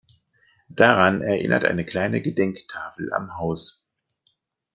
Daran erinnert eine kleine Gedenktafel am Haus.